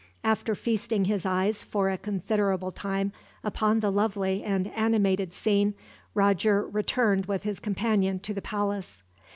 After feasting his eyes for a considerable time upon the lovely and animated scene, Roger returned with his companion to the palace.